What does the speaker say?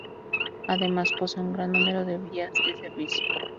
Además posee un gran número de vías de servicio.